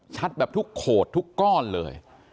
ชัดแบบทุกโคตรทุกก้อนเลย